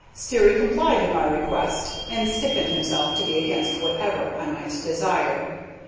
Sterry complied with my request, and stiffened himself to be against whatever I might desire.